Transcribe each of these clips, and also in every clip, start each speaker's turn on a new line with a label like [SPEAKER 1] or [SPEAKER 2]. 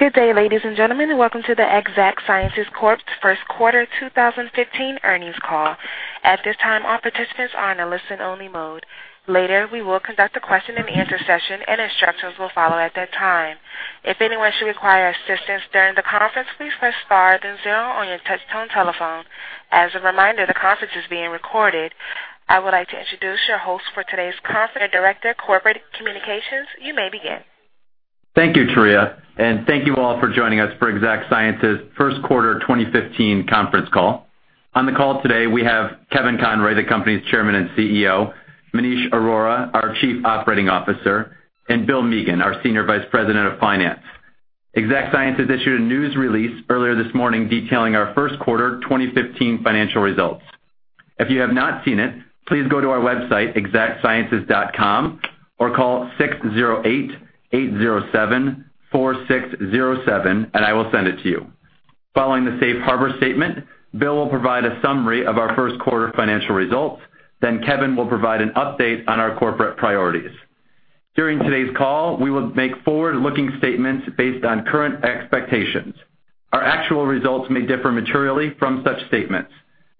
[SPEAKER 1] Good day, ladies and gentlemen, and welcome to the Exact Sciences first quarter 2015 earnings call. At this time, all participants are in a listen-only mode. Later, we will conduct a question-and-answer session, and instructions will follow at that time. If anyone should require assistance during the conference, please press star then zero on your touch-tone telephone. As a reminder, the conference is being recorded. I would like to introduce your host for today's conference. Director of Corporate Communications, you may begin.
[SPEAKER 2] Thank you, Taria, and thank you all for joining us for Exact Sciences' first quarter 2015 conference call. On the call today, we have Kevin Conroy, the company's Chairman and CEO; Maneesh Arora, our Chief Operating Officer; and Bill Meagan, our Senior Vice President of Finance. Exact Sciences issued a news release earlier this morning detailing our first quarter 2015 financial results. If you have not seen it, please go to our website, exactsciences.com, or call 608-807-4607, and I will send it to you. Following the safe harbor statement, Bill will provide a summary of our first quarter financial results, then Kevin will provide an update on our corporate priorities. During today's call, we will make forward-looking statements based on current expectations. Our actual results may differ materially from such statements.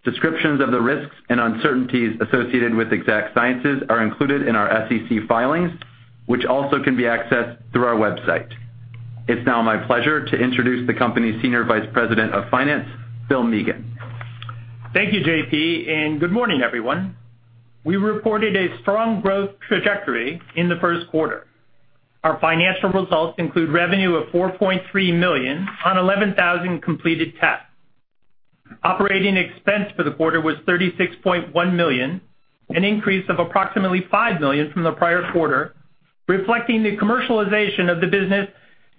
[SPEAKER 2] Descriptions of the risks and uncertainties associated with Exact Sciences are included in our SEC filings, which also can be accessed through our website. It's now my pleasure to introduce the company's Senior Vice President of Finance, Bill Meagan.
[SPEAKER 3] Thank you, JP, and good morning, everyone. We reported a strong growth trajectory in the first quarter. Our financial results include revenue of $4.3 million on 11,000 completed tests. Operating expense for the quarter was $36.1 million, an increase of approximately $5 million from the prior quarter, reflecting the commercialization of the business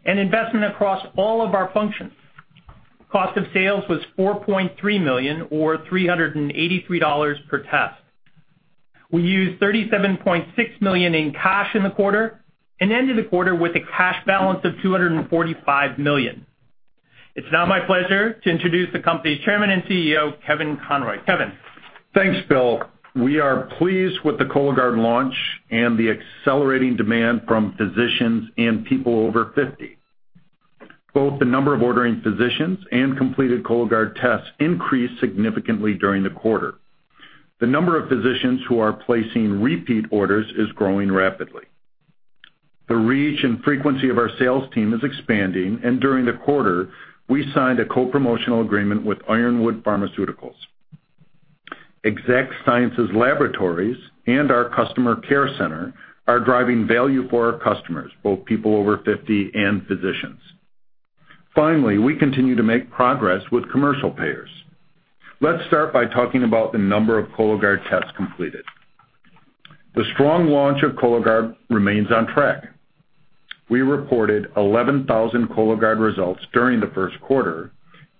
[SPEAKER 3] and investment across all of our functions. Cost of sales was $4.3 million, or $383 per test. We used $37.6 million in cash in the quarter and ended the quarter with a cash balance of $245 million. It's now my pleasure to introduce the company's Chairman and CEO, Kevin Conroy. Kevin.
[SPEAKER 4] Thanks, Bill. We are pleased with the Cologuard launch and the accelerating demand from physicians and people over 50. Both the number of ordering physicians and completed Cologuard tests increased significantly during the quarter. The number of physicians who are placing repeat orders is growing rapidly. The reach and frequency of our sales team is expanding, and during the quarter, we signed a co-promotional agreement with Ironwood Pharmaceuticals. Exact Sciences' laboratories and our customer care center are driving value for our customers, both people over 50 and physicians. Finally, we continue to make progress with commercial payers. Let's start by talking about the number of Cologuard tests completed. The strong launch of Cologuard remains on track. We reported 11,000 Cologuard results during the first quarter,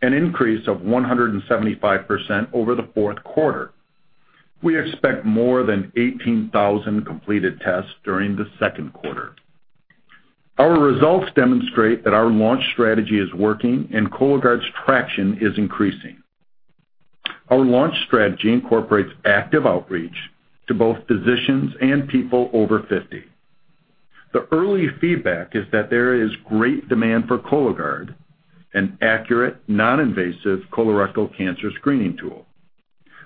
[SPEAKER 4] an increase of 175% over the fourth quarter. We expect more than 18,000 completed tests during the second quarter. Our results demonstrate that our launch strategy is working and Cologuard's traction is increasing. Our launch strategy incorporates active outreach to both physicians and people over 50. The early feedback is that there is great demand for Cologuard, an accurate, non-invasive colorectal cancer screening tool.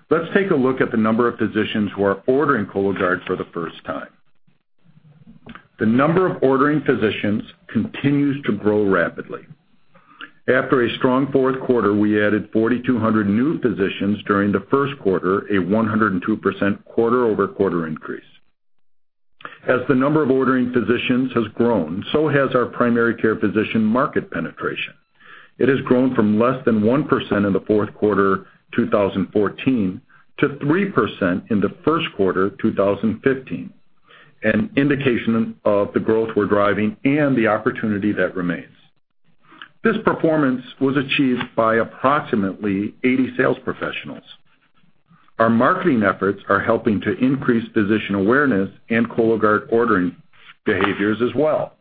[SPEAKER 4] Let's take a look at the number of physicians who are ordering Cologuard for the first time. The number of ordering physicians continues to grow rapidly. After a strong fourth quarter, we added 4,200 new physicians during the first quarter, a 102% quarter-over-quarter increase. As the number of ordering physicians has grown, so has our primary care physician market penetration. It has grown from less than 1% in the fourth quarter, 2014, to 3% in the first quarter, 2015, an indication of the growth we're driving and the opportunity that remains. This performance was achieved by approximately 80 sales professionals. Our marketing efforts are helping to increase physician awareness and Cologuard ordering behaviors as well.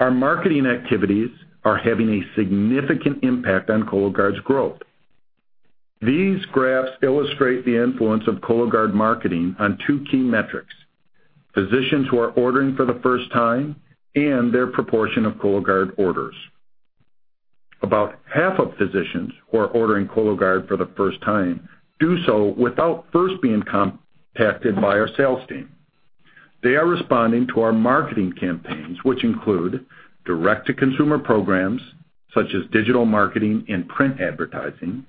[SPEAKER 4] Our marketing activities are having a significant impact on Cologuard's growth. These graphs illustrate the influence of Cologuard marketing on two key metrics: physicians who are ordering for the first time and their proportion of Cologuard orders. About half of physicians who are ordering Cologuard for the first time do so without first being contacted by our sales team. They are responding to our marketing campaigns, which include direct-to-consumer programs such as digital marketing and print advertising,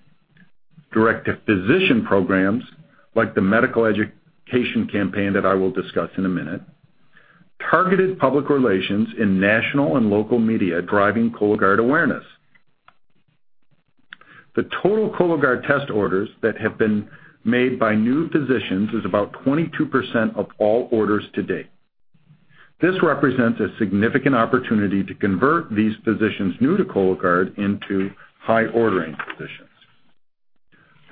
[SPEAKER 4] direct-to-physician programs like the medical education campaign that I will discuss in a minute, targeted public relations in national and local media driving Cologuard awareness. The total Cologuard test orders that have been made by new physicians is about 22% of all orders to date. This represents a significant opportunity to convert these physicians new to Cologuard into high-ordering physicians.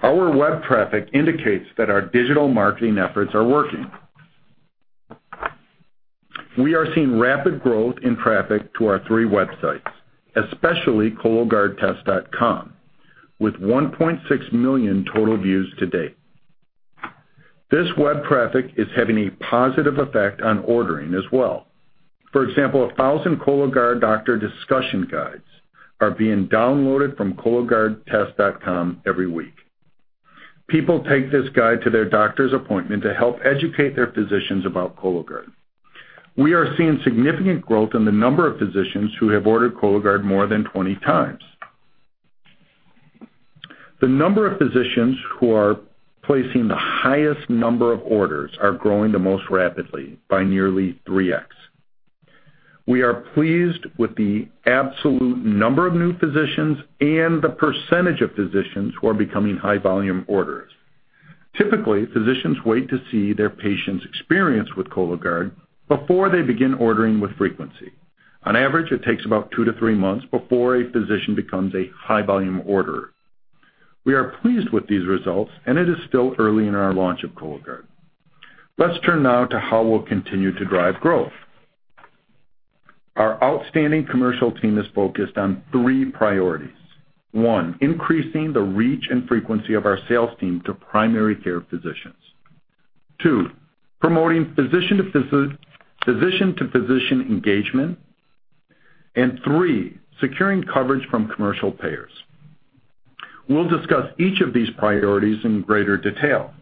[SPEAKER 4] Our web traffic indicates that our digital marketing efforts are working. We are seeing rapid growth in traffic to our three websites, especially cologuardtest.com, with 1.6 million total views to date. This web traffic is having a positive effect on ordering as well. For example, 1,000 Cologuard doctor discussion guides are being downloaded from cologuardtest.com every week. People take this guide to their doctor's appointment to help educate their physicians about Cologuard. We are seeing significant growth in the number of physicians who have ordered Cologuard more than 20 times. The number of physicians who are placing the highest number of orders is growing the most rapidly, by nearly 3x. We are pleased with the absolute number of new physicians and the percentage of physicians who are becoming high-volume orders. Typically, physicians wait to see their patients' experience with Cologuard before they begin ordering with frequency. On average, it takes about two to three months before a physician becomes a high-volume orderer. We are pleased with these results, and it is still early in our launch of Cologuard. Let's turn now to how we'll continue to drive growth. Our outstanding commercial team is focused on three priorities: one, increasing the reach and frequency of our sales team to primary care physicians; two, promoting physician-to-physician engagement; and three, securing coverage from commercial payers. We'll discuss each of these priorities in greater detail.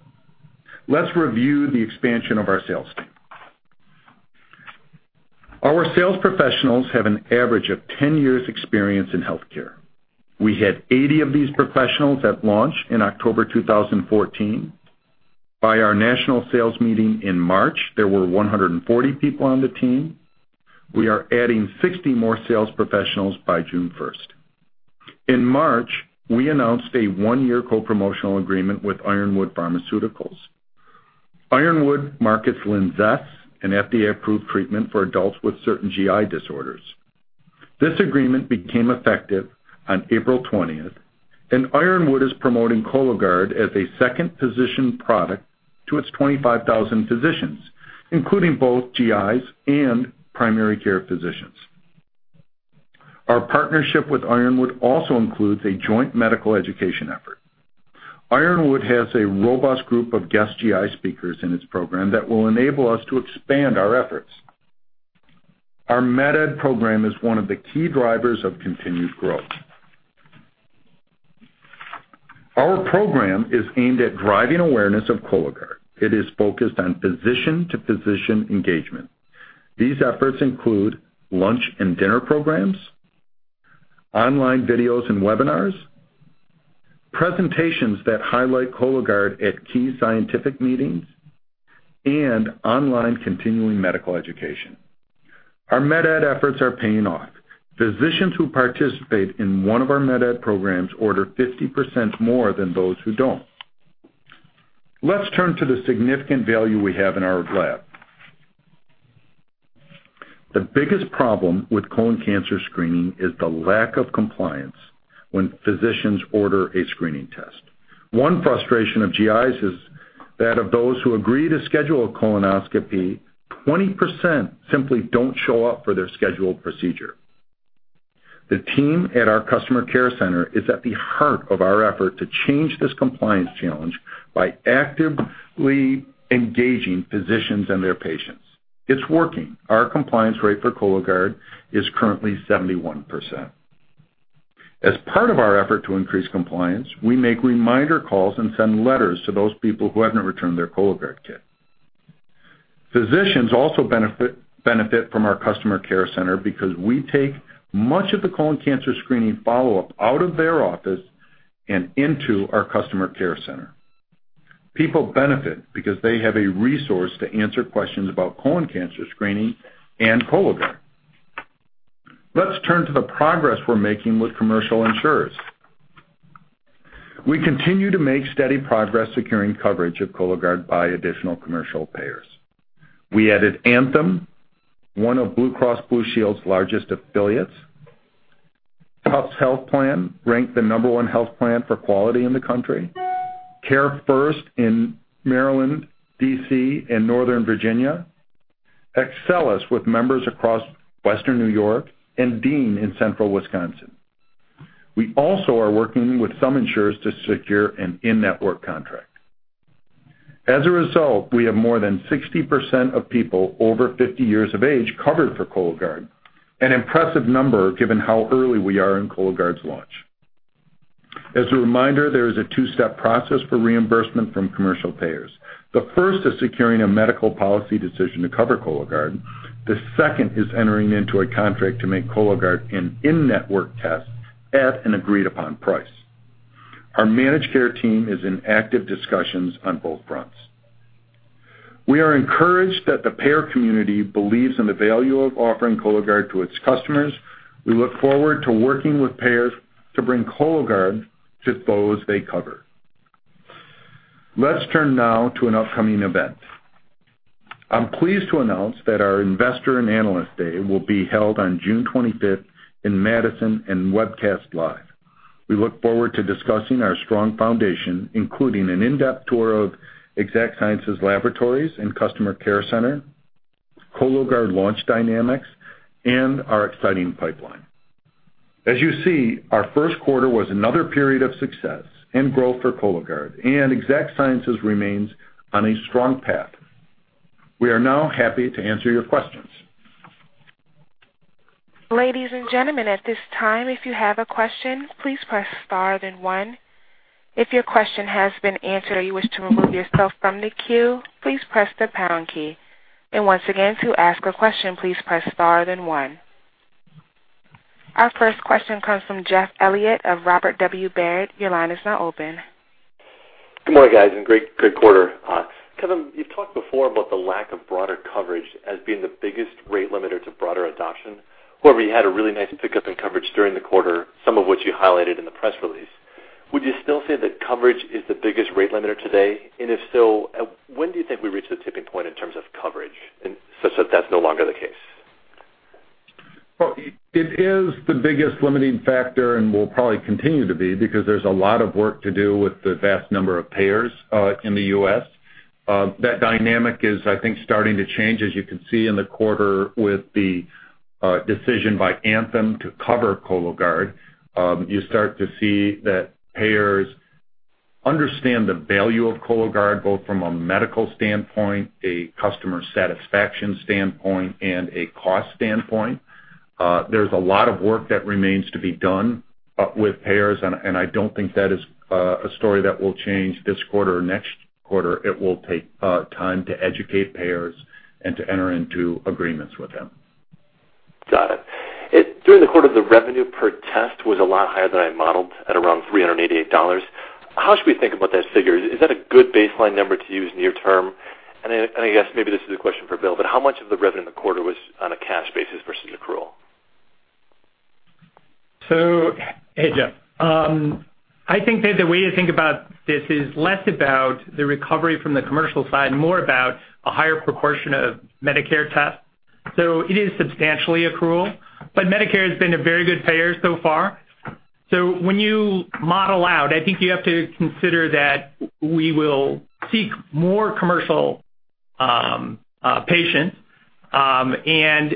[SPEAKER 4] Let's review the expansion of our sales team. Our sales professionals have an average of 10 years' experience in healthcare. We had 80 of these professionals at launch in October 2014. By our national sales meeting in March, there were 140 people on the team. We are adding 60 more sales professionals by June 1. In March, we announced a one-year co-promotional agreement with Ironwood Pharmaceuticals. Ironwood markets Linzess, an FDA-approved treatment for adults with certain GI disorders. This agreement became effective on April 20, and Ironwood is promoting Cologuard as a second-position product to its 25,000 physicians, including both GIs and primary care physicians. Our partnership with Ironwood also includes a joint medical education effort. Ironwood has a robust group of guest GI speakers in its program that will enable us to expand our efforts. Our MedEd program is one of the key drivers of continued growth. Our program is aimed at driving awareness of Cologuard. It is focused on physician-to-physician engagement. These efforts include lunch and dinner programs, online videos and webinars, presentations that highlight Cologuard at key scientific meetings, and online continuing medical education. Our MedEd efforts are paying off. Physicians who participate in one of our MedEd programs order 50% more than those who don't. Let's turn to the significant value we have in our lab. The biggest problem with colon cancer screening is the lack of compliance when physicians order a screening test. One frustration of GIs is that of those who agree to schedule a colonoscopy, 20% simply don't show up for their scheduled procedure. The team at our customer care center is at the heart of our effort to change this compliance challenge by actively engaging physicians and their patients. It's working. Our compliance rate for Cologuard is currently 71%. As part of our effort to increase compliance, we make reminder calls and send letters to those people who haven't returned their Cologuard kit. Physicians also benefit from our customer care center because we take much of the colon cancer screening follow-up out of their office and into our customer care center. People benefit because they have a resource to answer questions about colon cancer screening and Cologuard. Let's turn to the progress we're making with commercial insurers. We continue to make steady progress securing coverage of Cologuard by additional commercial payers. We added Anthem, one of Blue Cross Blue Shield's largest affiliates, Tufts Health Plan ranked the number one health plan for quality in the country, CareFirst in Maryland, DC, and Northern Virginia, Excellus with members across Western New York, and Dean in Central Wisconsin. We also are working with some insurers to secure an in-network contract. As a result, we have more than 60% of people over 50 years of age covered for Cologuard, an impressive number given how early we are in Cologuard's launch. As a reminder, there is a two-step process for reimbursement from commercial payers. The first is securing a medical policy decision to cover Cologuard. The second is entering into a contract to make Cologuard an in-network test at an agreed-upon price. Our managed care team is in active discussions on both fronts. We are encouraged that the payer community believes in the value of offering Cologuard to its customers. We look forward to working with payers to bring Cologuard to those they cover. Let's turn now to an upcoming event. I'm pleased to announce that our Investor and Analyst Day will be held on June 25th in Madison and Webcast Live. We look forward to discussing our strong foundation, including an in-depth tour of Exact Sciences' laboratories and customer care center, Cologuard launch dynamics, and our exciting pipeline. As you see, our first quarter was another period of success and growth for Cologuard, and Exact Sciences remains on a strong path. We are now happy to answer your questions.
[SPEAKER 1] Ladies and gentlemen, at this time, if you have a question, please press star then one. If your question has been answered or you wish to remove yourself from the queue, please press the pound key. Once again, to ask a question, please press star then one. Our first question comes from Jeff Elliott of Robert W. Baird. Your line is now open.
[SPEAKER 5] Good morning, guys, and great quarter. Kevin, you've talked before about the lack of broader coverage as being the biggest rate limiter to broader adoption. However, you had a really nice pickup in coverage during the quarter, some of which you highlighted in the press release. Would you still say that coverage is the biggest rate limiter today? If so, when do you think we reach the tipping point in terms of coverage such that that's no longer the case?
[SPEAKER 4] It is the biggest limiting factor and will probably continue to be because there's a lot of work to do with the vast number of payers in the U.S. That dynamic is, I think, starting to change, as you can see in the quarter with the decision by Anthem to cover Cologuard. You start to see that payers understand the value of Cologuard both from a medical standpoint, a customer satisfaction standpoint, and a cost standpoint. There's a lot of work that remains to be done with payers, and I don't think that is a story that will change this quarter or next quarter. It will take time to educate payers and to enter into agreements with them.
[SPEAKER 5] Got it. During the quarter, the revenue per test was a lot higher than I modeled at around $388. How should we think about that figure? Is that a good baseline number to use near-term? I guess maybe this is a question for Bill, but how much of the revenue in the quarter was on a cash basis versus accrual?
[SPEAKER 3] Hey, Jeff. I think that the way to think about this is less about the recovery from the commercial side and more about a higher proportion of Medicare tests. It is substantially accrual, but Medicare has been a very good payer so far. When you model out, I think you have to consider that we will seek more commercial patients, and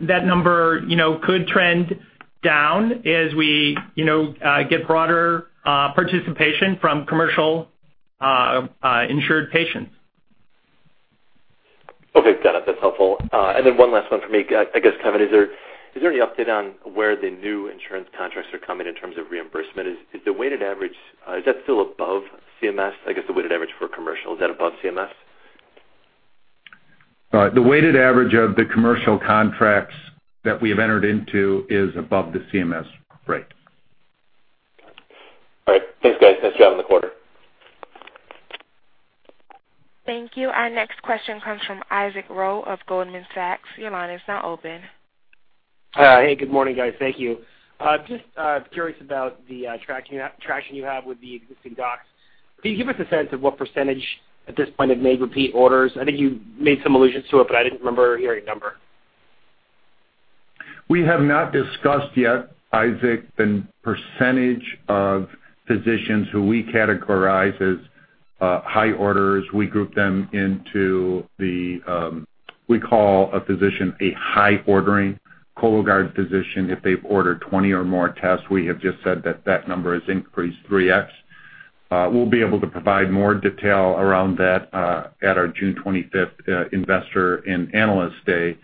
[SPEAKER 3] that number could trend down as we get broader participation from commercial insured patients.
[SPEAKER 5] Okay. Got it. That's helpful. One last one for me. I guess, Kevin, is there any update on where the new insurance contracts are coming in terms of reimbursement? Is the weighted average—is that still above CMS? I guess the weighted average for commercial, is that above CMS?
[SPEAKER 4] The weighted average of the commercial contracts that we have entered into is above the CMS rate.
[SPEAKER 5] All right. Thanks, guys. Nice job in the quarter.
[SPEAKER 1] Thank you. Our next question comes from Isaac Rowe of Goldman Sachs. Your line is now open.
[SPEAKER 6] Hey, good morning, guys. Thank you. Just curious about the traction you have with the existing docs. Can you give us a sense of what percentage at this point have made repeat orders? I think you made some allusions to it, but I did not remember hearing a number.
[SPEAKER 4] We have not discussed yet, Isaac, the percentage of physicians who we categorize as high orders. We group them into the—we call a physician a high-ordering Cologuard physician. If they've ordered 20 or more tests, we have just said that that number has increased 3x. We'll be able to provide more detail around that at our June 25th Investor and Analyst Day,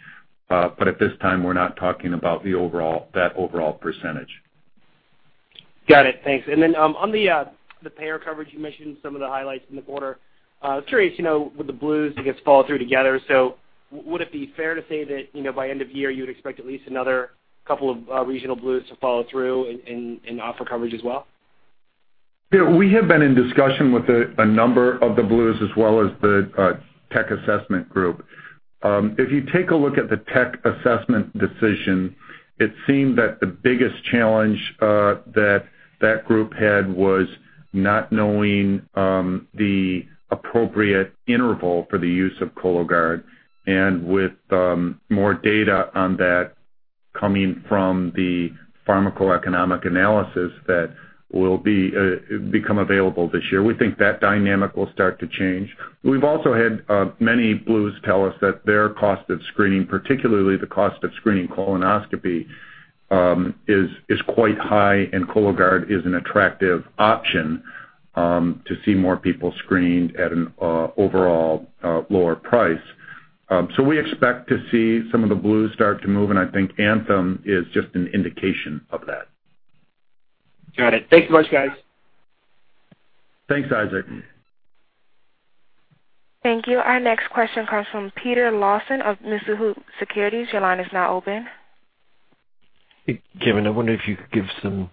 [SPEAKER 4] but at this time, we're not talking about that overall percentage.
[SPEAKER 6] Got it. Thanks. And then on the payer coverage, you mentioned some of the highlights in the quarter. I'm curious, with the Blues, I guess, follow through together. So would it be fair to say that by end of year, you would expect at least another couple of regional Blues to follow through and offer coverage as well?
[SPEAKER 4] Yeah. We have been in discussion with a number of the Blues as well as the tech assessment group. If you take a look at the tech assessment decision, it seemed that the biggest challenge that that group had was not knowing the appropriate interval for the use of Cologuard. And with more data on that coming from the pharmacoeconomic analysis that will become available this year, we think that dynamic will start to change. We've also had many Blues tell us that their cost of screening, particularly the cost of screening colonoscopy, is quite high, and Cologuard is an attractive option to see more people screened at an overall lower price. We expect to see some of the Blues start to move, and I think Anthem is just an indication of that.
[SPEAKER 6] Got it. Thanks so much, guys.
[SPEAKER 4] Thanks, Isaac.
[SPEAKER 1] Thank you. Our next question comes from Peter Lawson of Mizuho Securities. Your line is now open.
[SPEAKER 7] Kevin, I wonder if you could give some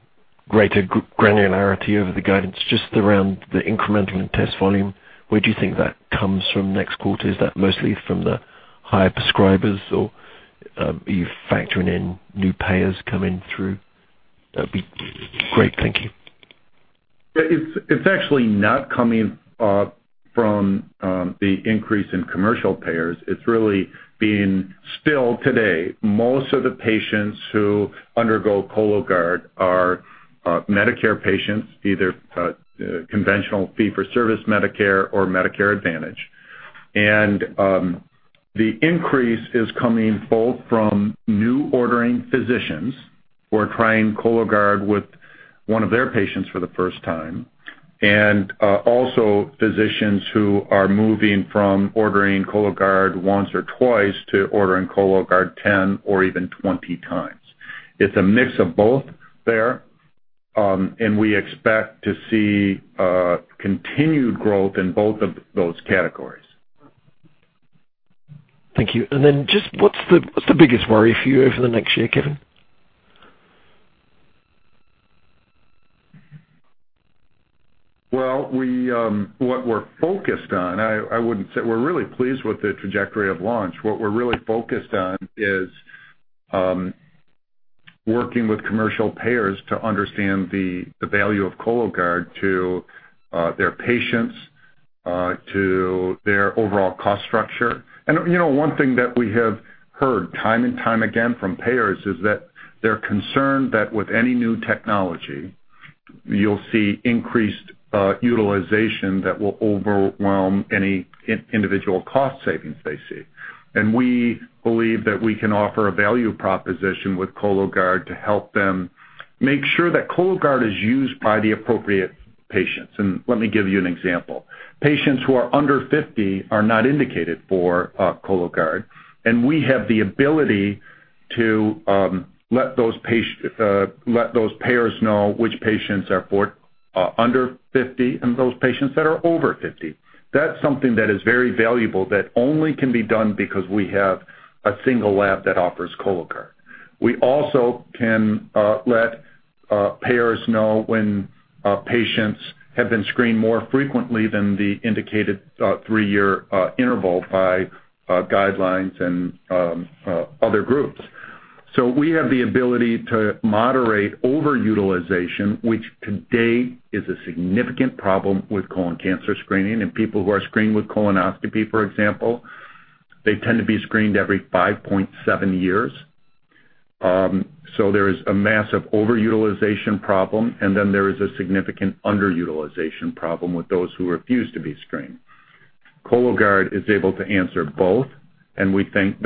[SPEAKER 7] greater granularity over the guidance just around the incremental and test volume. Where do you think that comes from next quarter? Is that mostly from the higher prescribers, or are you factoring in new payers coming through? That would be great. Thank you.
[SPEAKER 4] It's actually not coming from the increase in commercial payers. It's really being still today. Most of the patients who undergo Cologuard are Medicare patients, either conventional fee-for-service Medicare or Medicare Advantage. The increase is coming both from new ordering physicians who are trying Cologuard with one of their patients for the first time, and also physicians who are moving from ordering Cologuard once or twice to ordering Cologuard 10 or even 20 times. It's a mix of both there, and we expect to see continued growth in both of those categories.
[SPEAKER 7] Thank you. And then just what's the biggest worry for you over the next year, Kevin?
[SPEAKER 4] What we are focused on—I would not say we are really pleased with the trajectory of launch. What we are really focused on is working with commercial payers to understand the value of Cologuard to their patients, to their overall cost structure. One thing that we have heard time and time again from payers is that they are concerned that with any new technology, you will see increased utilization that will overwhelm any individual cost savings they see. We believe that we can offer a value proposition with Cologuard to help them make sure that Cologuard is used by the appropriate patients. Let me give you an example. Patients who are under 50 are not indicated for Cologuard, and we have the ability to let those payers know which patients are under 50 and those patients that are over 50. That's something that is very valuable that only can be done because we have a single lab that offers Cologuard. We also can let payers know when patients have been screened more frequently than the indicated three-year interval by guidelines and other groups. We have the ability to moderate over-utilization, which today is a significant problem with colon cancer screening. People who are screened with colonoscopy, for example, tend to be screened every 5.7 years. There is a massive over-utilization problem, and then there is a significant under-utilization problem with those who refuse to be screened. Cologuard is able to answer both, and we think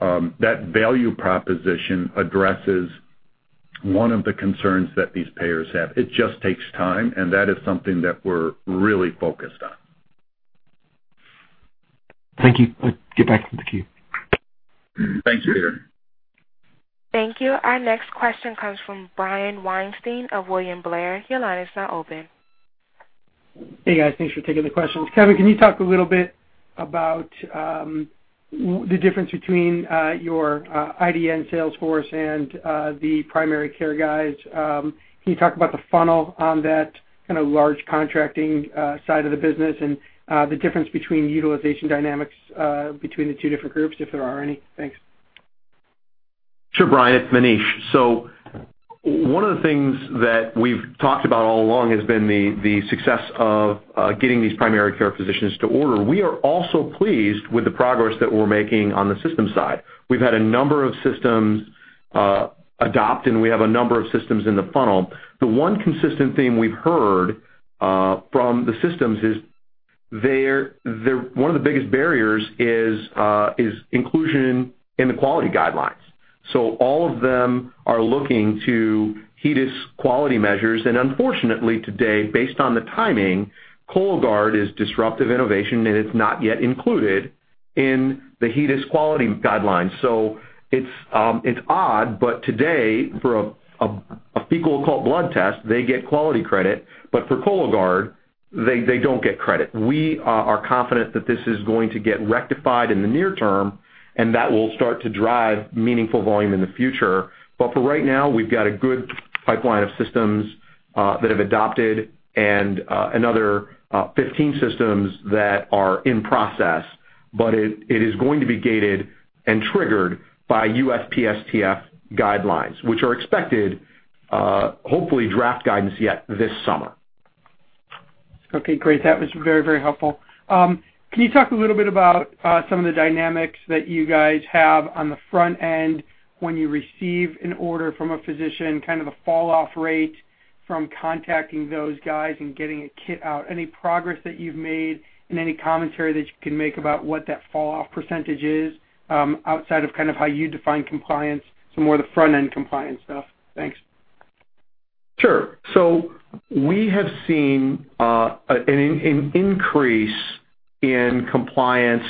[SPEAKER 4] that value proposition addresses one of the concerns that these payers have. It just takes time, and that is something that we're really focused on.
[SPEAKER 7] Thank you. Let's get back to the queue.
[SPEAKER 4] Thanks, Peter.
[SPEAKER 1] Thank you. Our next question comes from Brian Weinstein of William Blair. Your line is now open.
[SPEAKER 8] Hey, guys. Thanks for taking the questions. Kevin, can you talk a little bit about the difference between your IDN Salesforce and the primary care guys? Can you talk about the funnel on that kind of large contracting side of the business and the difference between utilization dynamics between the two different groups, if there are any? Thanks.
[SPEAKER 9] Sure, Brian. It's Maneesh. One of the things that we've talked about all along has been the success of getting these primary care physicians to order. We are also pleased with the progress that we're making on the system side. We've had a number of systems adopt, and we have a number of systems in the funnel. The one consistent theme we've heard from the systems is one of the biggest barriers is inclusion in the quality guidelines. All of them are looking to HEDIS quality measures. Unfortunately, today, based on the timing, Cologuard is disruptive innovation, and it's not yet included in the HEDIS quality guidelines. It's odd, but today, for a fecal occult blood test, they get quality credit, but for Cologuard, they don't get credit. We are confident that this is going to get rectified in the near term, and that will start to drive meaningful volume in the future. For right now, we've got a good pipeline of systems that have adopted and another 15 systems that are in process, but it is going to be gated and triggered by USPSTF guidelines, which are expected, hopefully, draft guidance yet this summer.
[SPEAKER 8] Okay. Great. That was very, very helpful. Can you talk a little bit about some of the dynamics that you guys have on the front end when you receive an order from a physician, kind of the falloff rate from contacting those guys and getting a kit out? Any progress that you've made and any commentary that you can make about what that falloff percentage is outside of kind of how you define compliance, some more of the front-end compliance stuff? Thanks.
[SPEAKER 9] Sure. So we have seen an increase in compliance.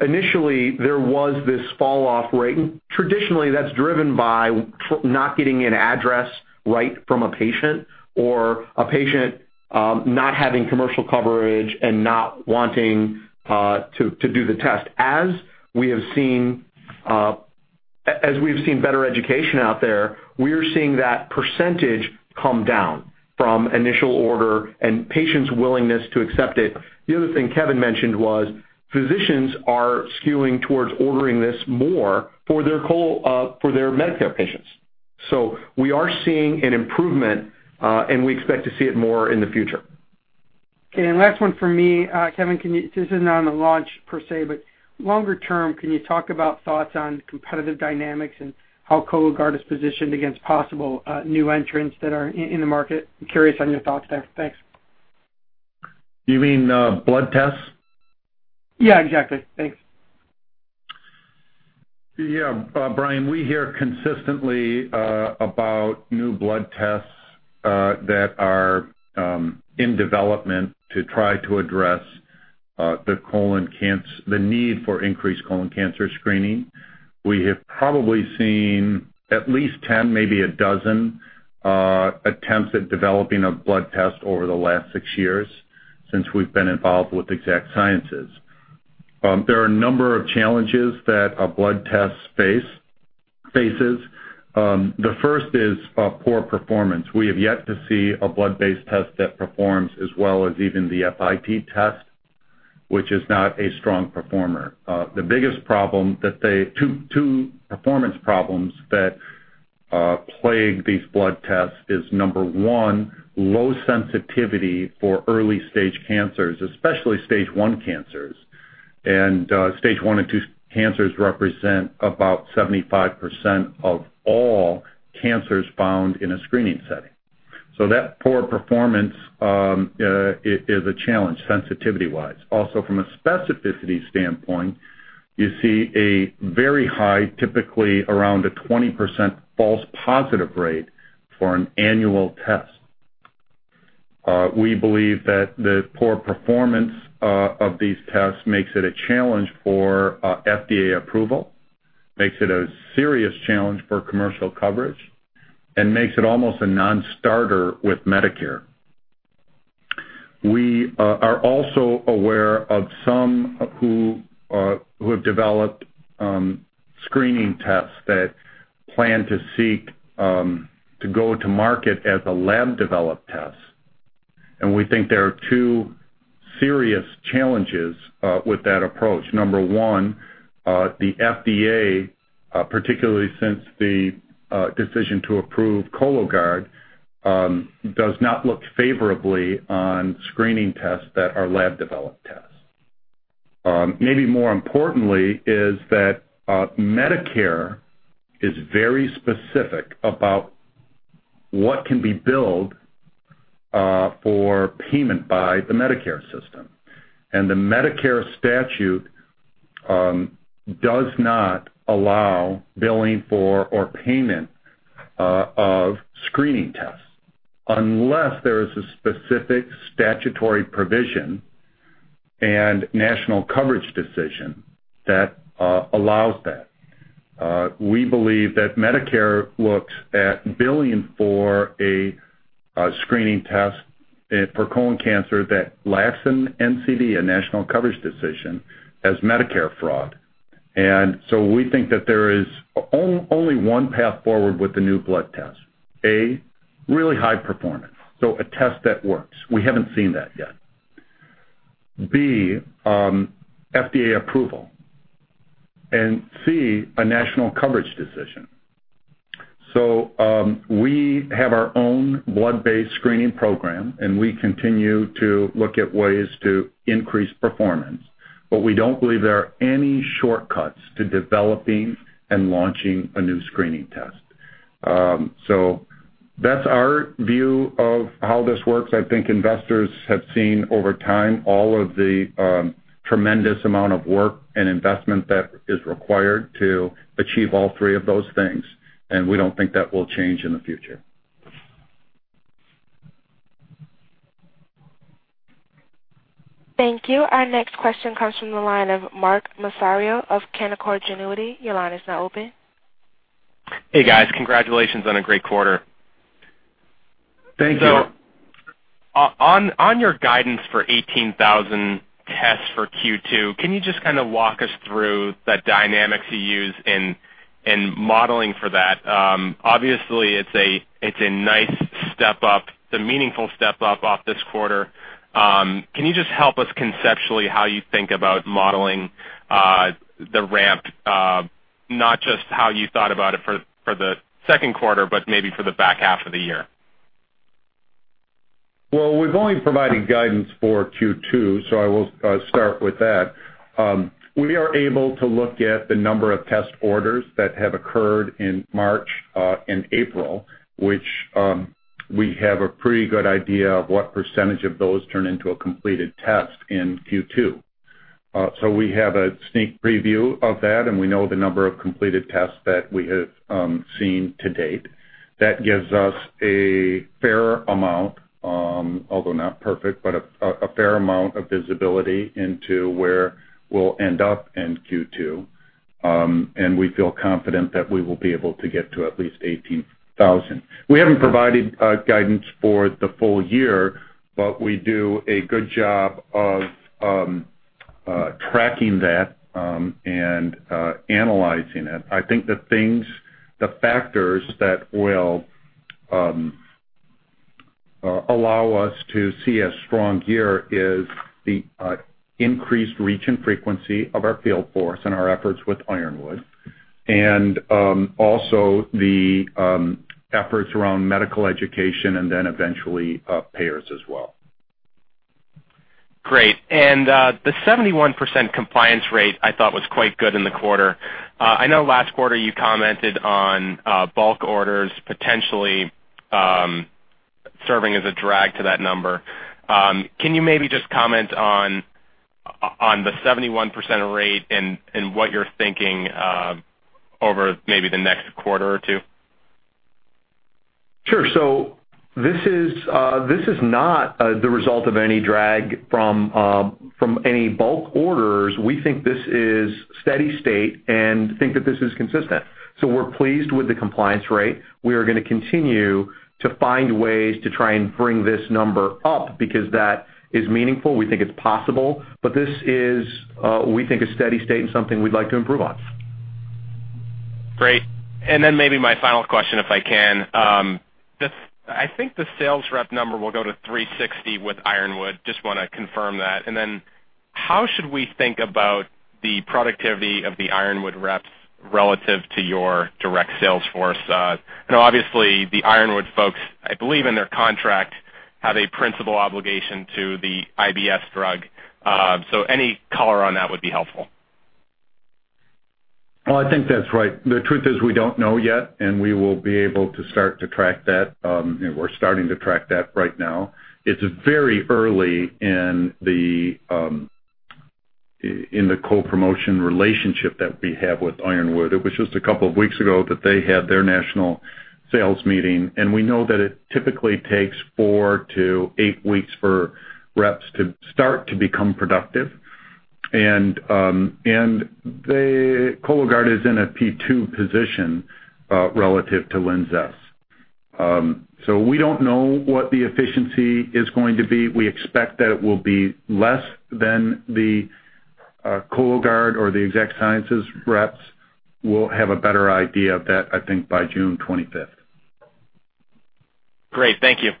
[SPEAKER 9] Initially, there was this falloff rate. Traditionally, that's driven by not getting an address right from a patient or a patient not having commercial coverage and not wanting to do the test. As we have seen better education out there, we are seeing that percentage come down from initial order and patients' willingness to accept it. The other thing Kevin mentioned was physicians are skewing towards ordering this more for their Medicare patients. We are seeing an improvement, and we expect to see it more in the future.
[SPEAKER 8] Last one for me, Kevin, this is not on the launch per se, but longer term, can you talk about thoughts on competitive dynamics and how Cologuard is positioned against possible new entrants that are in the market? Curious on your thoughts there. Thanks.
[SPEAKER 4] You mean blood tests?
[SPEAKER 8] Yeah, exactly. Thanks.
[SPEAKER 4] Yeah. Brian, we hear consistently about new blood tests that are in development to try to address the need for increased colon cancer screening. We have probably seen at least 10, maybe a dozen attempts at developing a blood test over the last six years since we've been involved with Exact Sciences. There are a number of challenges that a blood test faces. The first is poor performance. We have yet to see a blood-based test that performs as well as even the FIT test, which is not a strong performer. The biggest problem that they—two performance problems that plague these blood tests is, number one, low sensitivity for early-stage cancers, especially stage I cancers. Stage I and II cancers represent about 75% of all cancers found in a screening setting. That poor performance is a challenge sensitivity-wise. Also, from a specificity standpoint, you see a very high, typically around a 20% false positive rate for an annual test. We believe that the poor performance of these tests makes it a challenge for FDA approval, makes it a serious challenge for commercial coverage, and makes it almost a non-starter with Medicare. We are also aware of some who have developed screening tests that plan to go to market as a lab-developed test. We think there are two serious challenges with that approach. Number one, the FDA, particularly since the decision to approve Cologuard, does not look favorably on screening tests that are lab-developed tests. Maybe more importantly is that Medicare is very specific about what can be billed for payment by the Medicare system. The Medicare statute does not allow billing for or payment of screening tests unless there is a specific statutory provision and national coverage decision that allows that. We believe that Medicare looks at billing for a screening test for colon cancer that lacks an NCD, a national coverage decision, as Medicare fraud. We think that there is only one path forward with the new blood test: A, really high performance, so a test that works. We haven't seen that yet. B, FDA approval. C, a national coverage decision. We have our own blood-based screening program, and we continue to look at ways to increase performance, but we don't believe there are any shortcuts to developing and launching a new screening test. That's our view of how this works. I think investors have seen over time all of the tremendous amount of work and investment that is required to achieve all three of those things, and we don't think that will change in the future.
[SPEAKER 1] Thank you. Our next question comes from the line of Mark Massario of Canaccord Genuity. Your line is now open.
[SPEAKER 10] Hey, guys. Congratulations on a great quarter.
[SPEAKER 4] Thank you.
[SPEAKER 10] On your guidance for 18,000 tests for Q2, can you just kind of walk us through the dynamics you use in modeling for that? Obviously, it's a nice step up, a meaningful step up off this quarter. Can you just help us conceptually how you think about modeling the ramp, not just how you thought about it for the second quarter, but maybe for the back half of the year?
[SPEAKER 4] We've only provided guidance for Q2, so I will start with that. We are able to look at the number of test orders that have occurred in March and April, which we have a pretty good idea of what percentage of those turn into a completed test in Q2. We have a sneak preview of that, and we know the number of completed tests that we have seen to date. That gives us a fair amount, although not perfect, but a fair amount of visibility into where we'll end up in Q2. We feel confident that we will be able to get to at least 18,000. We haven't provided guidance for the full year, but we do a good job of tracking that and analyzing it. I think the factors that will allow us to see a strong year are the increased reach and frequency of our field force and our efforts with Ironwood, and also the efforts around medical education and then eventually payers as well.
[SPEAKER 10] Great. The 71% compliance rate I thought was quite good in the quarter. I know last quarter you commented on bulk orders potentially serving as a drag to that number. Can you maybe just comment on the 71% rate and what you're thinking over maybe the next quarter or two?
[SPEAKER 4] Sure. This is not the result of any drag from any bulk orders. We think this is steady state and think that this is consistent. We are pleased with the compliance rate. We are going to continue to find ways to try and bring this number up because that is meaningful. We think it is possible, but this is, we think, a steady state and something we would like to improve on.
[SPEAKER 10] Great. Maybe my final question, if I can. I think the sales rep number will go to 360 with Ironwood. Just want to confirm that. How should we think about the productivity of the Ironwood reps relative to your direct sales force? Obviously, the Ironwood folks, I believe in their contract, have a principal obligation to the IBS drug. Any color on that would be helpful.
[SPEAKER 4] I think that's right. The truth is we don't know yet, and we will be able to start to track that. We're starting to track that right now. It's very early in the co-promotion relationship that we have with Ironwood. It was just a couple of weeks ago that they had their national sales meeting, and we know that it typically takes four to eight weeks for reps to start to become productive. Cologuard is in a P2 position relative to Linzess. We don't know what the efficiency is going to be. We expect that it will be less than the Cologuard or the Exact Sciences reps. We'll have a better idea of that, I think, by June 25th.
[SPEAKER 10] Great. Thank you.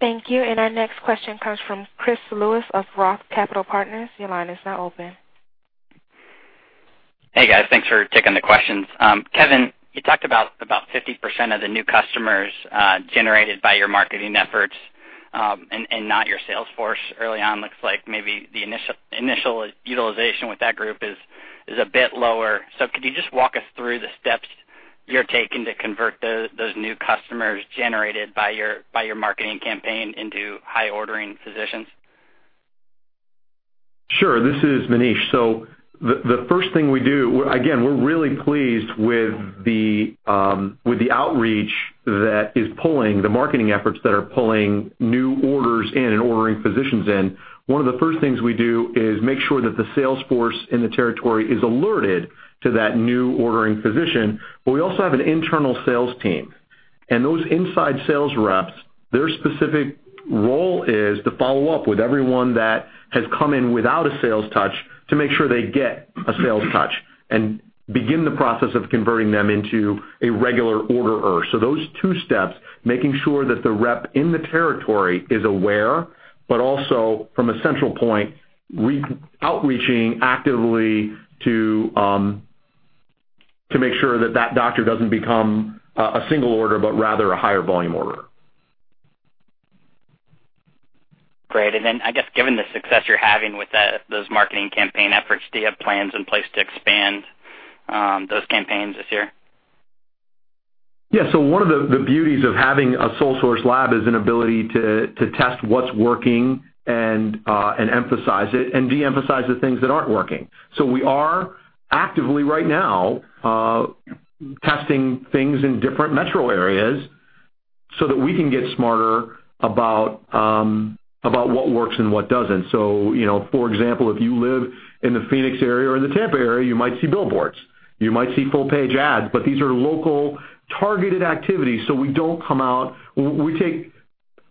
[SPEAKER 1] Thank you. Our next question comes from Chris Lewis of Roth Capital Partners. Your line is now open.
[SPEAKER 11] Hey, guys. Thanks for taking the questions. Kevin, you talked about about 50% of the new customers generated by your marketing efforts and not your sales force. Early on, it looks like maybe the initial utilization with that group is a bit lower. Could you just walk us through the steps you're taking to convert those new customers generated by your marketing campaign into high-ordering physicians?
[SPEAKER 9] Sure. This is Maneesh. The first thing we do, again, we're really pleased with the outreach that is pulling the marketing efforts that are pulling new orders in and ordering physicians in. One of the first things we do is make sure that the sales force in the territory is alerted to that new ordering physician. We also have an internal sales team. Those inside sales reps, their specific role is to follow up with everyone that has come in without a sales touch to make sure they get a sales touch and begin the process of converting them into a regular orderer. Those two steps, making sure that the rep in the territory is aware, but also from a central point, outreaching actively to make sure that that doctor does not become a single order, but rather a higher volume order.
[SPEAKER 11] Great. I guess given the success you're having with those marketing campaign efforts, do you have plans in place to expand those campaigns this year?
[SPEAKER 9] Yeah. One of the beauties of having a sole-source lab is an ability to test what's working and emphasize it and de-emphasize the things that aren't working. We are actively right now testing things in different metro areas so that we can get smarter about what works and what doesn't. For example, if you live in the Phoenix area or the Tampa area, you might see billboards. You might see full-page ads, but these are local targeted activities. We do not come out. We take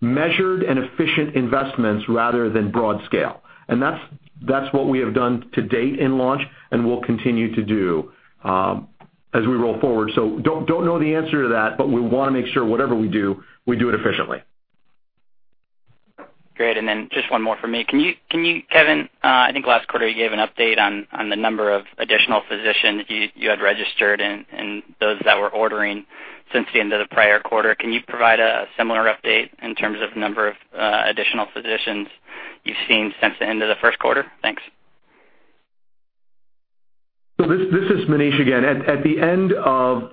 [SPEAKER 9] measured and efficient investments rather than broad scale. That is what we have done to date in launch and will continue to do as we roll forward. I do not know the answer to that, but we want to make sure whatever we do, we do it efficiently.
[SPEAKER 11] Great. And then just one more for me. Can you, Kevin, I think last quarter you gave an update on the number of additional physicians you had registered and those that were ordering since the end of the prior quarter. Can you provide a similar update in terms of number of additional physicians you've seen since the end of the first quarter? Thanks.
[SPEAKER 4] This is Maneesh again. At the end of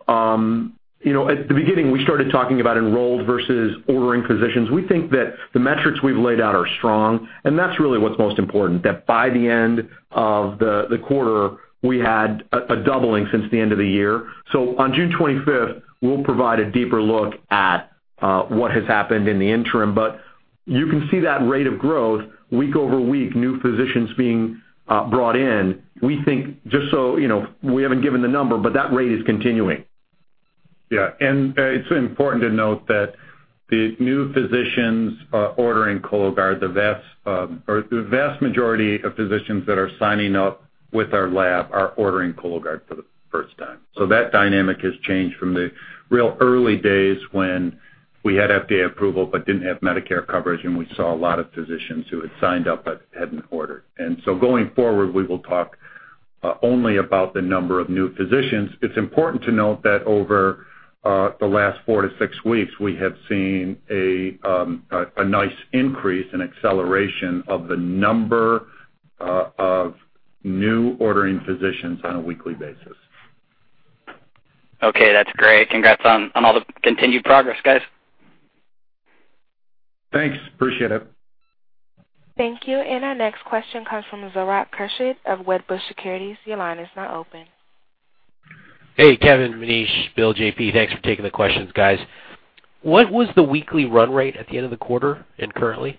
[SPEAKER 4] at the beginning, we started talking about enrolled versus ordering physicians. We think that the metrics we've laid out are strong, and that's really what's most important, that by the end of the quarter, we had a doubling since the end of the year. On June 25th, we'll provide a deeper look at what has happened in the interim. You can see that rate of growth week over week, new physicians being brought in. We think just so we haven't given the number, but that rate is continuing. Yeah. It's important to note that the new physicians ordering Cologuard, the vast majority of physicians that are signing up with our lab are ordering Cologuard for the first time. That dynamic has changed from the real early days when we had FDA approval but did not have Medicare coverage, and we saw a lot of physicians who had signed up but had not ordered. Going forward, we will talk only about the number of new physicians. It is important to note that over the last four to six weeks, we have seen a nice increase, an acceleration of the number of new ordering physicians on a weekly basis.
[SPEAKER 3] Okay. That's great. Congrats on all the continued progress, guys.
[SPEAKER 4] Thanks. Appreciate it.
[SPEAKER 1] Thank you. Our next question comes from Zohra Qureshid of Wedbush Securities. Your line is now open.
[SPEAKER 6] Hey, Kevin, Maneesh, Bill, JP, thanks for taking the questions, guys. What was the weekly run rate at the end of the quarter and currently?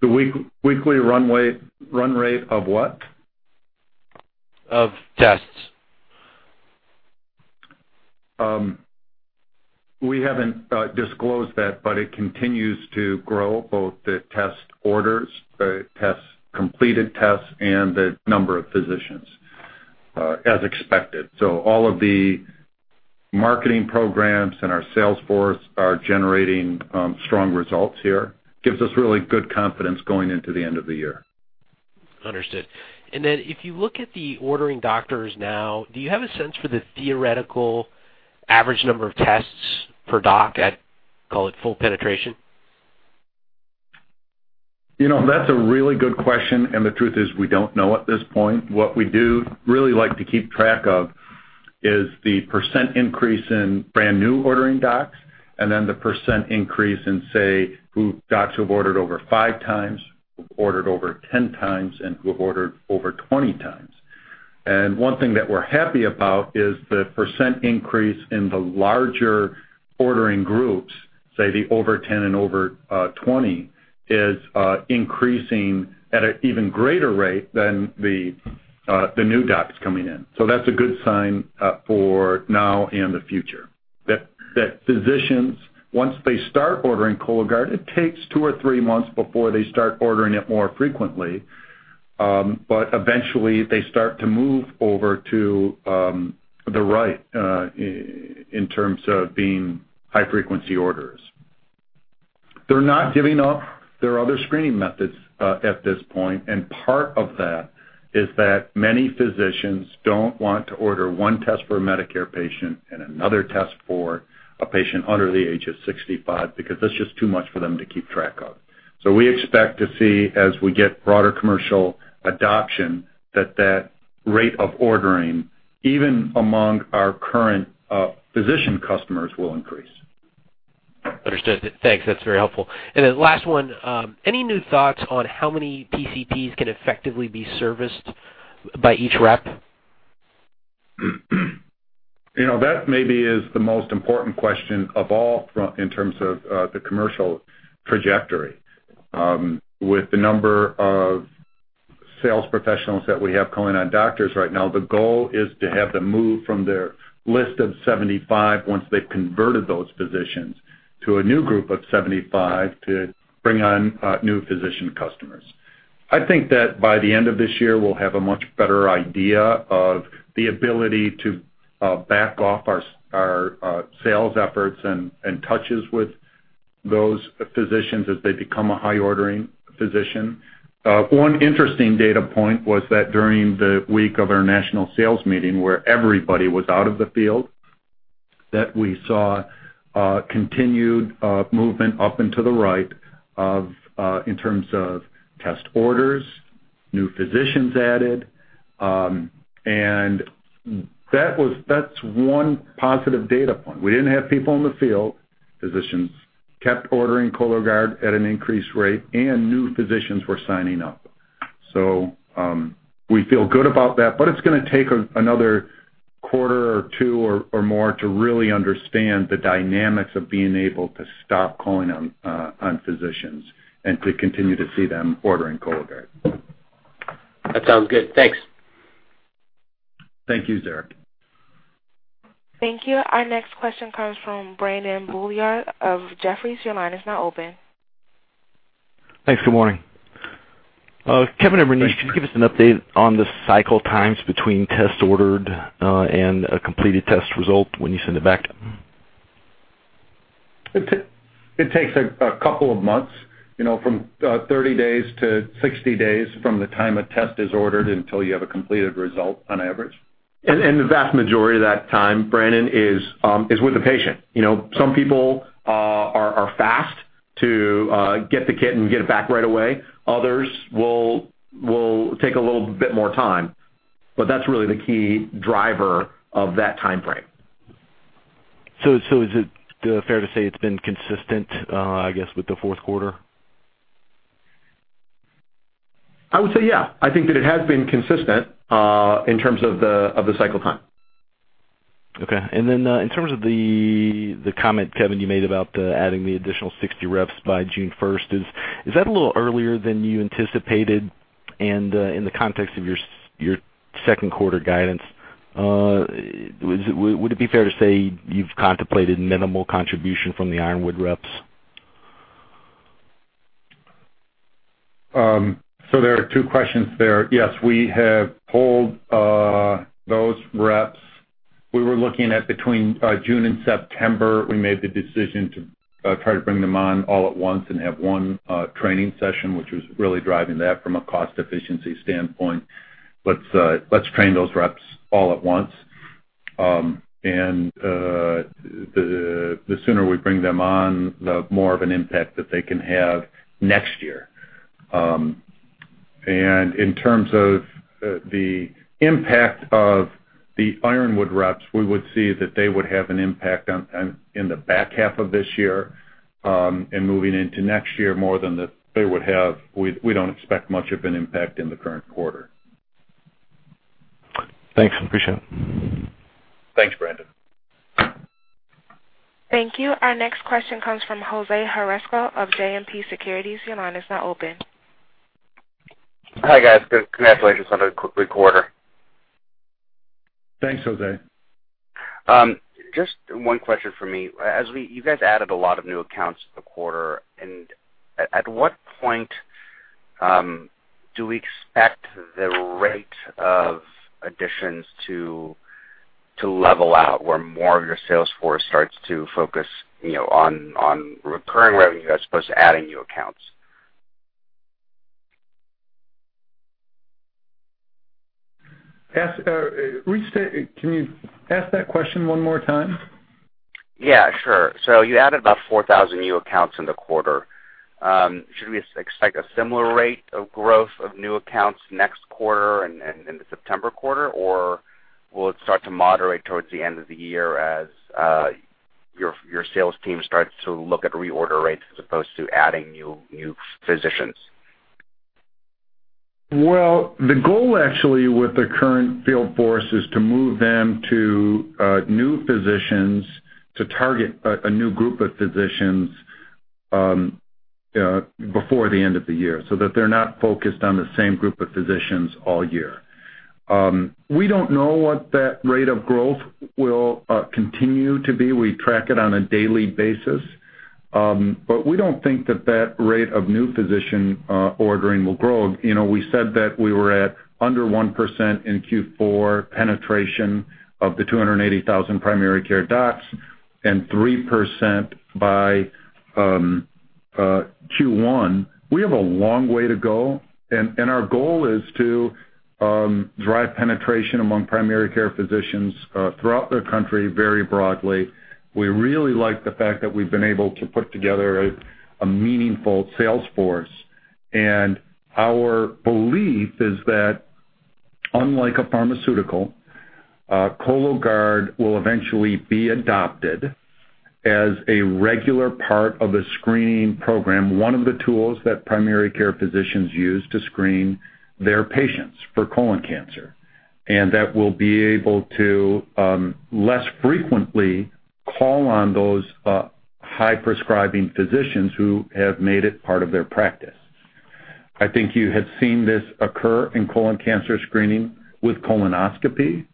[SPEAKER 4] The weekly run rate of what?
[SPEAKER 6] Of tests.
[SPEAKER 4] We haven't disclosed that, but it continues to grow, both the test orders, the completed tests, and the number of physicians as expected. All of the marketing programs and our sales force are generating strong results here. It gives us really good confidence going into the end of the year.
[SPEAKER 6] Understood. If you look at the ordering doctors now, do you have a sense for the theoretical average number of tests per doc at, call it, full penetration?
[SPEAKER 4] That's a really good question. The truth is we don't know at this point. What we do really like to keep track of is the % increase in brand new ordering docs and then the % increase in, say, docs who have ordered over five times, who have ordered over 10 times, and who have ordered over 20 times. One thing that we're happy about is the % increase in the larger ordering groups, say, the over 10 and over 20, is increasing at an even greater rate than the new docs coming in. That's a good sign for now and the future. Physicians, once they start ordering Cologuard, it takes two or three months before they start ordering it more frequently, but eventually they start to move over to the right in terms of being high-frequency orders. They're not giving up their other screening methods at this point. Part of that is that many physicians don't want to order one test for a Medicare patient and another test for a patient under the age of 65 because that's just too much for them to keep track of. We expect to see, as we get broader commercial adoption, that that rate of ordering, even among our current physician customers, will increase.
[SPEAKER 6] Understood. Thanks. That's very helpful. Then last one, any new thoughts on how many PCPs can effectively be serviced by each rep?
[SPEAKER 4] That maybe is the most important question of all in terms of the commercial trajectory. With the number of sales professionals that we have calling on doctors right now, the goal is to have them move from their list of 75 once they've converted those physicians to a new group of 75 to bring on new physician customers. I think that by the end of this year, we'll have a much better idea of the ability to back off our sales efforts and touches with those physicians as they become a high-ordering physician. One interesting data point was that during the week of our national sales meeting, where everybody was out of the field, we saw continued movement up and to the right in terms of test orders, new physicians added. That's one positive data point. We didn't have people in the field. Physicians kept ordering Cologuard at an increased rate, and new physicians were signing up. We feel good about that, but it's going to take another quarter or two or more to really understand the dynamics of being able to stop calling on physicians and to continue to see them ordering Cologuard.
[SPEAKER 6] That sounds good. Thanks.
[SPEAKER 4] Thank you, Derek.
[SPEAKER 1] Thank you. Our next question comes from Brandon Boulliard of Jefferies. Your line is now open.
[SPEAKER 7] Thanks. Good morning. Kevin and Maneesh, can you give us an update on the cycle times between test ordered and a completed test result when you send it back?
[SPEAKER 4] It takes a couple of months, from 30 days to 60 days from the time a test is ordered until you have a completed result on average. The vast majority of that time, Brandon, is with the patient. Some people are fast to get the kit and get it back right away. Others will take a little bit more time. That is really the key driver of that time frame.
[SPEAKER 7] Is it fair to say it's been consistent, I guess, with the fourth quarter?
[SPEAKER 4] I would say, yeah. I think that it has been consistent in terms of the cycle time.
[SPEAKER 7] Okay. In terms of the comment, Kevin, you made about adding the additional 60 reps by June 1, is that a little earlier than you anticipated? In the context of your second quarter guidance, would it be fair to say you've contemplated minimal contribution from the Ironwood reps?
[SPEAKER 4] There are two questions there. Yes, we have pulled those reps. We were looking at between June and September, we made the decision to try to bring them on all at once and have one training session, which was really driving that from a cost efficiency standpoint. Let's train those reps all at once. The sooner we bring them on, the more of an impact that they can have next year. In terms of the impact of the Ironwood reps, we would see that they would have an impact in the back half of this year and moving into next year more than they would have. We do not expect much of an impact in the current quarter.
[SPEAKER 7] Thanks. Appreciate it.
[SPEAKER 4] Thanks, Brandon.
[SPEAKER 1] Thank you. Our next question comes from José Joresco of JMP Securities. Your line is now open.
[SPEAKER 3] Hi, guys. Congratulations on a quick quarter.
[SPEAKER 4] Thanks, Jose.
[SPEAKER 3] Just one question for me. You guys added a lot of new accounts this quarter. At what point do we expect the rate of additions to level out where more of your sales force starts to focus on recurring revenue as opposed to adding new accounts?
[SPEAKER 4] Can you ask that question one more time?
[SPEAKER 3] Yeah, sure. So you added about 4,000 new accounts in the quarter. Should we expect a similar rate of growth of new accounts next quarter and in the September quarter, or will it start to moderate towards the end of the year as your sales team starts to look at reorder rates as opposed to adding new physicians?
[SPEAKER 4] The goal actually with the current field force is to move them to new physicians to target a new group of physicians before the end of the year so that they're not focused on the same group of physicians all year. We don't know what that rate of growth will continue to be. We track it on a daily basis, but we don't think that that rate of new physician ordering will grow. We said that we were at under 1% in Q4 penetration of the 280,000 primary care docs and 3% by Q1. We have a long way to go. Our goal is to drive penetration among primary care physicians throughout the country very broadly. We really like the fact that we've been able to put together a meaningful sales force. Our belief is that, unlike a pharmaceutical, Cologuard will eventually be adopted as a regular part of a screening program, one of the tools that primary care physicians use to screen their patients for colon cancer. We will be able to less frequently call on those high-prescribing physicians who have made it part of their practice. I think you have seen this occur in colon cancer screening with colonoscopy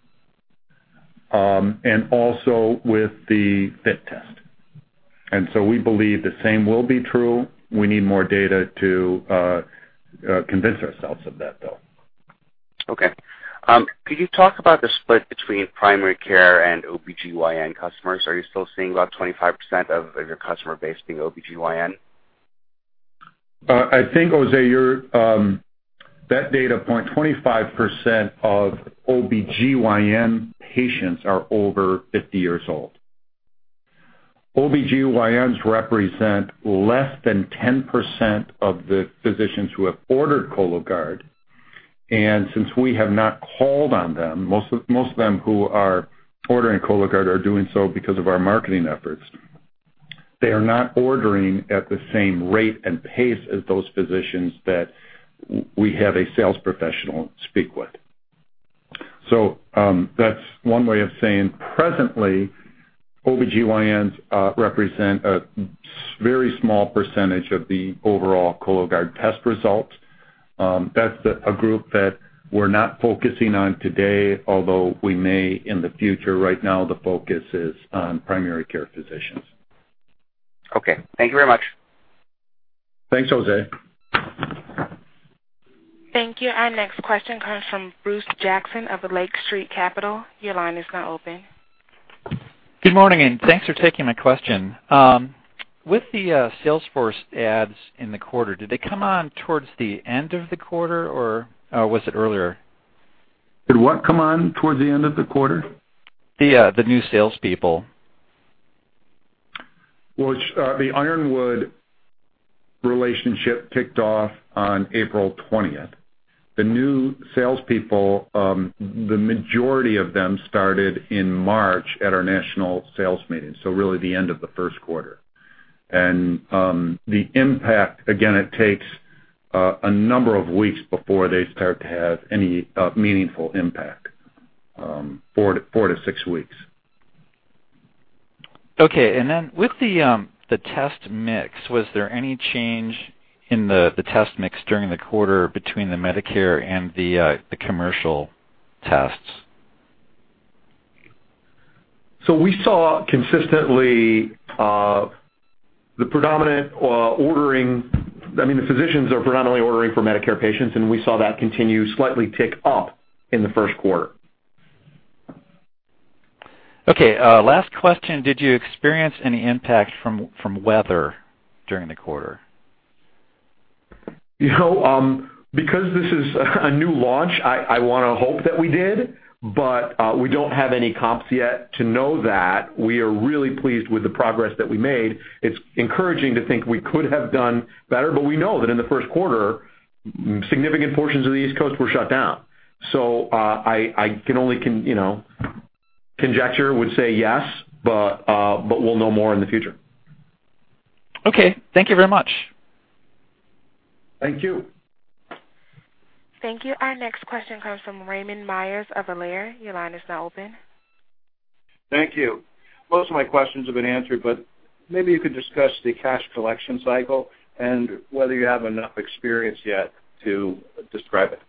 [SPEAKER 4] and also with the FIT test. We believe the same will be true. We need more data to convince ourselves of that, though.
[SPEAKER 3] Okay. Could you talk about the split between primary care and OB-GYN customers? Are you still seeing about 25% of your customer base being OB-GYN?
[SPEAKER 4] I think, Jose, that data point, 25% of OB-GYN patients are over 50 years old. OB-GYNs represent less than 10% of the physicians who have ordered Cologuard. Since we have not called on them, most of them who are ordering Cologuard are doing so because of our marketing efforts. They are not ordering at the same rate and pace as those physicians that we have a sales professional speak with. That is one way of saying presently OB-GYNs represent a very small percentage of the overall Cologuard test results. That is a group that we are not focusing on today, although we may in the future. Right now, the focus is on primary care physicians.
[SPEAKER 3] Okay. Thank you very much.
[SPEAKER 4] Thanks, Jose.
[SPEAKER 1] Thank you. Our next question comes from Bruce Jackson of Lake Street Capital. Your line is now open.
[SPEAKER 8] Good morning, and thanks for taking my question. With the sales force ads in the quarter, did they come on towards the end of the quarter, or was it earlier?
[SPEAKER 4] Did what come on towards the end of the quarter?
[SPEAKER 8] The new salespeople.
[SPEAKER 4] The Ironwood relationship kicked off on April 20th. The new salespeople, the majority of them started in March at our national sales meeting, so really the end of the first quarter. The impact, again, it takes a number of weeks before they start to have any meaningful impact, four to six weeks.
[SPEAKER 8] Okay. And then with the test mix, was there any change in the test mix during the quarter between the Medicare and the commercial tests?
[SPEAKER 4] We saw consistently the predominant ordering, I mean, the physicians are predominantly ordering for Medicare patients, and we saw that continue slightly tick up in the first quarter.
[SPEAKER 8] Okay. Last question. Did you experience any impact from weather during the quarter?
[SPEAKER 4] Because this is a new launch, I want to hope that we did, but we do not have any comps yet to know that. We are really pleased with the progress that we made. It is encouraging to think we could have done better, but we know that in the first quarter, significant portions of the East Coast were shut down. I can only conjecture, would say yes, but we will know more in the future.
[SPEAKER 8] Okay. Thank you very much.
[SPEAKER 4] Thank you.
[SPEAKER 1] Thank you. Our next question comes from Raymond Myers of Alere. Your line is now open.
[SPEAKER 4] Thank you. Most of my questions have been answered, but maybe you could discuss the cash collection cycle and whether you have enough experience yet to describe it.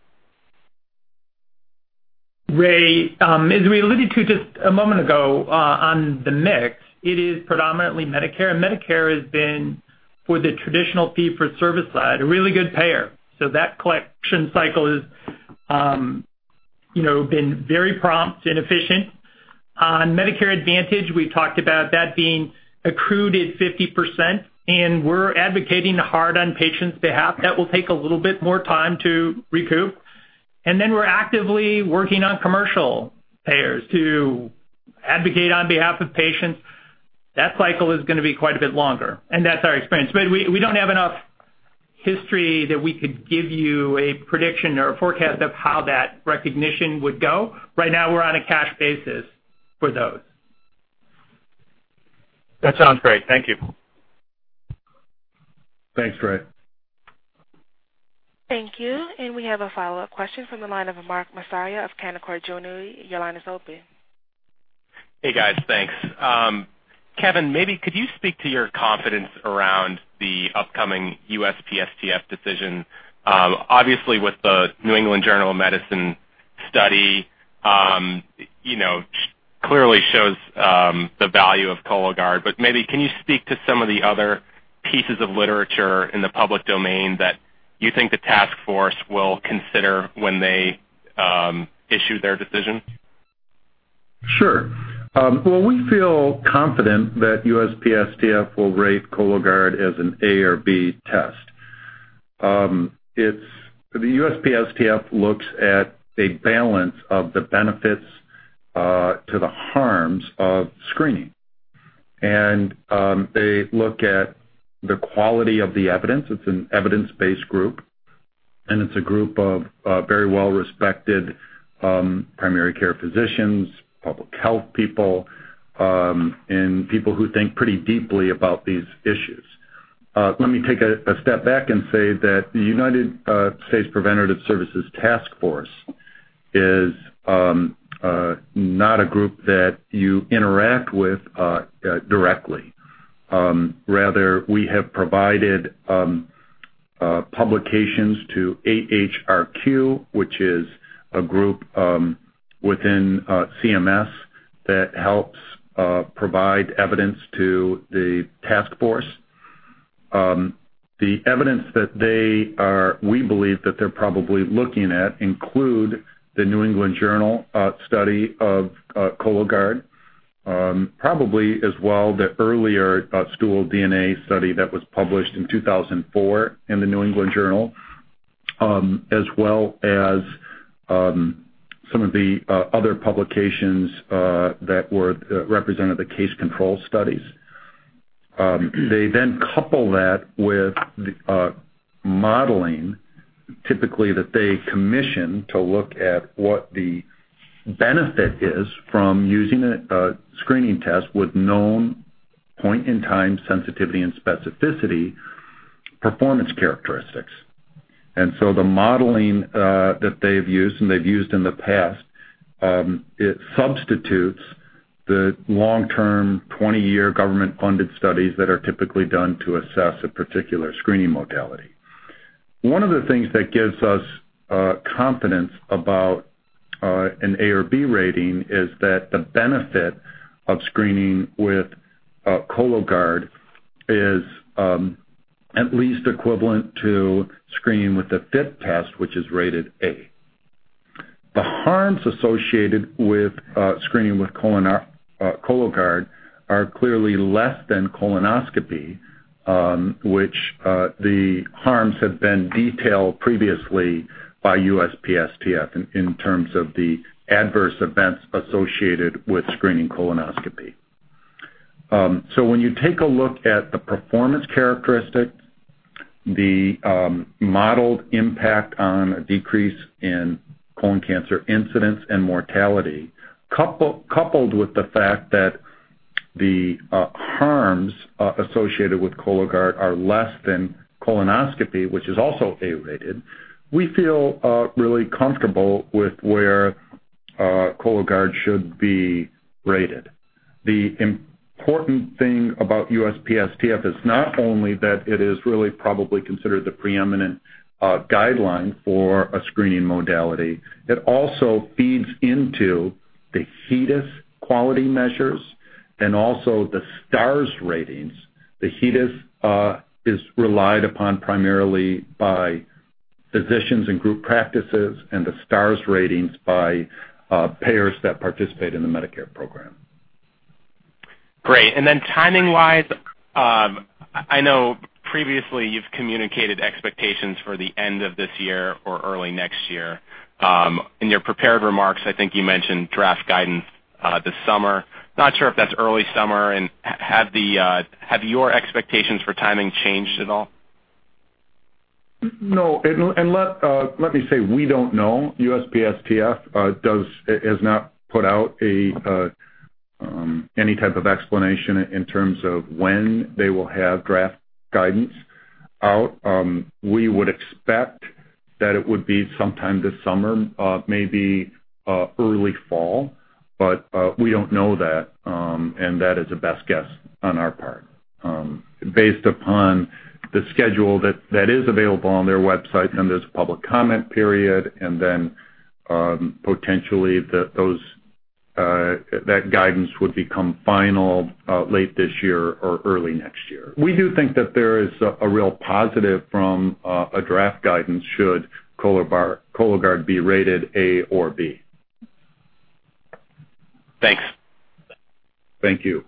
[SPEAKER 2] Ray, as we alluded to just a moment ago on the mix, it is predominantly Medicare. Medicare has been, for the traditional fee-for-service side, a really good payer. That collection cycle has been very prompt and efficient. On Medicare Advantage, we talked about that being accrued at 50%, and we're advocating hard on patients' behalf. That will take a little bit more time to recoup. We are actively working on commercial payers to advocate on behalf of patients. That cycle is going to be quite a bit longer, and that's our experience. We do not have enough history that we could give you a prediction or a forecast of how that recognition would go. Right now, we are on a cash basis for those.
[SPEAKER 3] That sounds great. Thank you.
[SPEAKER 4] Thanks, Ray.
[SPEAKER 1] Thank you. We have a follow-up question from the line of Mark Stenhouse of Cordonier. Your line is open.
[SPEAKER 3] Hey, guys. Thanks. Kevin, maybe could you speak to your confidence around the upcoming USPSTF decision? Obviously, with the New England Journal of Medicine study, it clearly shows the value of Cologuard. Maybe can you speak to some of the other pieces of literature in the public domain that you think the task force will consider when they issue their decision?
[SPEAKER 4] Sure. We feel confident that USPSTF will rate Cologuard as an A or B test. The USPSTF looks at a balance of the benefits to the harms of screening. They look at the quality of the evidence. It's an evidence-based group, and it's a group of very well-respected primary care physicians, public health people, and people who think pretty deeply about these issues. Let me take a step back and say that the U.S. Preventive Services Task Force is not a group that you interact with directly. Rather, we have provided publications to AHRQ, which is a group within CMS that helps provide evidence to the task force. The evidence that they are, we believe that they're probably looking at, includes the New England Journal study of Cologuard, probably as well the earlier stool DNA study that was published in 2004 in the New England Journal, as well as some of the other publications that represented the case control studies. They then couple that with modeling, typically that they commission to look at what the benefit is from using a screening test with known point-in-time sensitivity and specificity performance characteristics. The modeling that they've used, and they've used in the past, it substitutes the long-term 20-year government-funded studies that are typically done to assess a particular screening modality. One of the things that gives us confidence about an A or B rating is that the benefit of screening with Cologuard is at least equivalent to screening with the FIT test, which is rated A. The harms associated with screening with Cologuard are clearly less than colonoscopy, which the harms have been detailed previously by USPSTF in terms of the adverse events associated with screening colonoscopy. When you take a look at the performance characteristics, the modeled impact on a decrease in colon cancer incidence and mortality, coupled with the fact that the harms associated with Cologuard are less than colonoscopy, which is also A-rated, we feel really comfortable with where Cologuard should be rated. The important thing about USPSTF is not only that it is really probably considered the preeminent guideline for a screening modality. It also feeds into the HEDIS quality measures and also the STARS ratings. The HEDIS is relied upon primarily by physicians and group practices and the STARS ratings by payers that participate in the Medicare program.
[SPEAKER 3] Great. Timing-wise, I know previously you've communicated expectations for the end of this year or early next year. In your prepared remarks, I think you mentioned draft guidance this summer. Not sure if that's early summer. Have your expectations for timing changed at all?
[SPEAKER 4] No. Let me say we don't know. USPSTF has not put out any type of explanation in terms of when they will have draft guidance out. We would expect that it would be sometime this summer, maybe early fall, but we don't know that, and that is a best guess on our part. Based upon the schedule that is available on their website, there is a public comment period, and then potentially that guidance would become final late this year or early next year. We do think that there is a real positive from a draft guidance should Cologuard be rated A or B.
[SPEAKER 3] Thanks.
[SPEAKER 4] Thank you.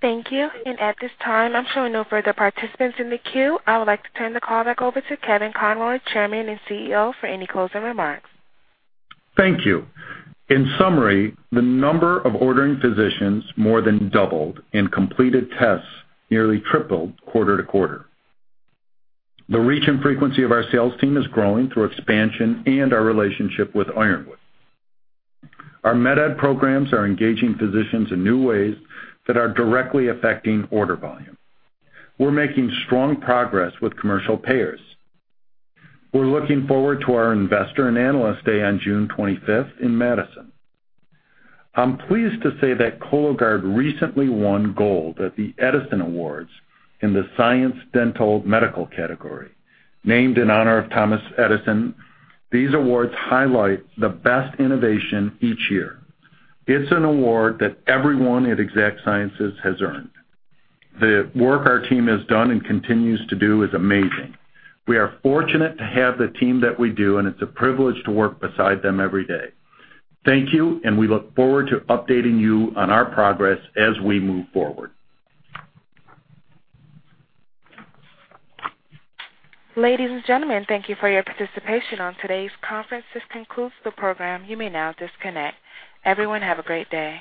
[SPEAKER 1] Thank you. At this time, I'm showing no further participants in the queue. I would like to turn the call back over to Kevin Conroy, Chairman and CEO, for any closing remarks.
[SPEAKER 4] Thank you. In summary, the number of ordering physicians more than doubled and completed tests nearly tripled quarter to quarter. The reach and frequency of our sales team is growing through expansion and our relationship with Ironwood. Our MedEd programs are engaging physicians in new ways that are directly affecting order volume. We're making strong progress with commercial payers. We're looking forward to our investor and analyst day on June 25th in Madison. I'm pleased to say that Cologuard recently won gold at the Edison Awards in the Science Dental Medical category. Named in honor of Thomas Edison, these awards highlight the best innovation each year. It's an award that everyone at Exact Sciences has earned. The work our team has done and continues to do is amazing. We are fortunate to have the team that we do, and it's a privilege to work beside them every day. Thank you, and we look forward to updating you on our progress as we move forward.
[SPEAKER 1] Ladies and gentlemen, thank you for your participation on today's conference. This concludes the program. You may now disconnect. Everyone, have a great day.